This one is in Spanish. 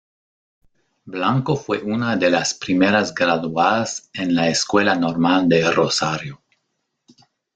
Blanco fue una de las primeras graduadas en la Escuela Normal de Rosario.